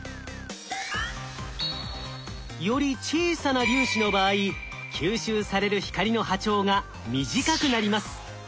より小さな粒子の場合吸収される光の波長が短くなります。